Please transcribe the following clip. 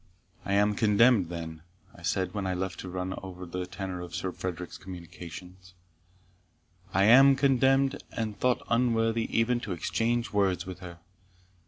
"I am contemned, then," I said, when left to run over the tenor of Sir Frederick's communications "I am contemned, and thought unworthy even to exchange words with her.